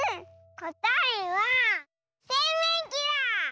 こたえはせんめんきだ！